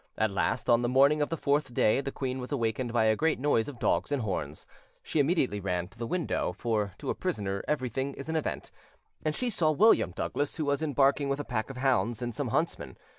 At last, on the morning of the fourth day, the queen was awakened by a great noise of dogs and horns: she immediately ran to the window, for to a prisoner everything is an event, and she saw William Douglas, who was embarking with a pack of hounds and some huntsmen.